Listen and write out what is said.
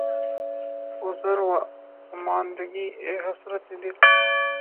عذر واماندگی، اے حسرتِ دل!